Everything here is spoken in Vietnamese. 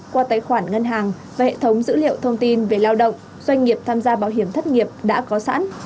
qua tài khoản ngân hàng và hệ thống dữ liệu thông tin về lao động doanh nghiệp tham gia bảo hiểm thất nghiệp đã có sẵn